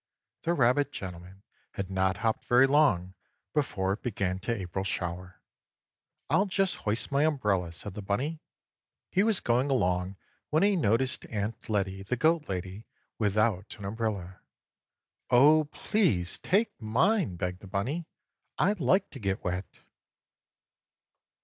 The rabbit gentleman had not hopped very long before it began to April shower. "I'll just hoist my umbrella," said the bunny. He was going along when he noticed Aunt Lettie, the goat lady, without an umbrella. "Oh, please take mine!" begged the bunny. "I like to get wet!"